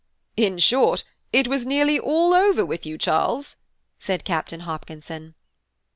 "In short, it was nearly all 'over' with you, Charles," said Captain Hopkinson.